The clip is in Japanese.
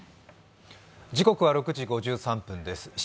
時刻は６時５３分です。